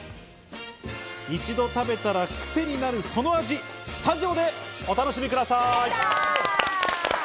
一度食べたらクセになるその味、スタジオでお楽しみください。